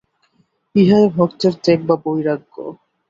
ইহাই ভক্তের ত্যাগ বা বৈরাগ্য।